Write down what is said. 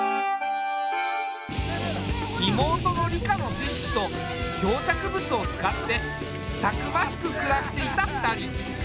妹の理科の知識と漂着物を使ってたくましく暮らしていた２人。